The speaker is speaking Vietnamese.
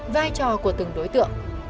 vai trò của từng đối tượng